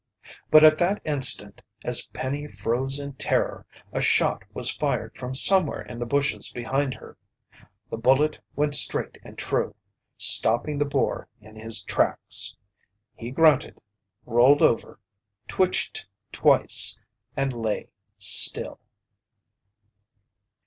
But at that instant, as Penny froze in terror, a shot was fired from somewhere in the bushes behind her. The bullet went straight and true, stopping the boar in his tracks. He grunted, rolled over, twitched twice, and lay still.